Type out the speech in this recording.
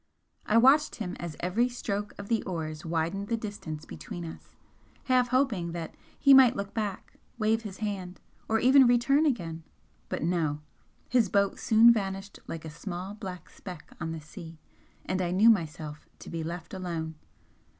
I watched him as every stroke of the oars widened the distance between us, half hoping that he might look back, wave his hand, or even return again but no! his boat soon vanished like a small black speck on the sea, and I knew myself to be left alone.